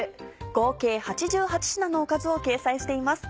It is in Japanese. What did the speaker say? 合計８８品のおかずを掲載しています。